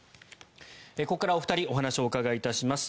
ここからお二人にお話をお伺いします。